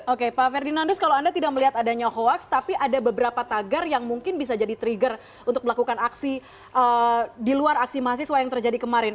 oke pak ferdinandus kalau anda tidak melihat adanya hoaks tapi ada beberapa tagar yang mungkin bisa jadi trigger untuk melakukan aksi di luar aksi mahasiswa yang terjadi kemarin